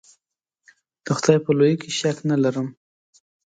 د خدای په لویي کې شک نه ارم.